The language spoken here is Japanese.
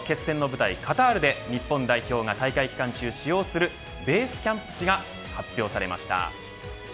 その決戦の舞台カタールで日本代表が大会期間中使用するベースキャンプ地が発表されました。